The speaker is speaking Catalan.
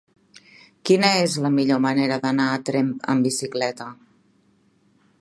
Quina és la millor manera d'anar a Tremp amb bicicleta?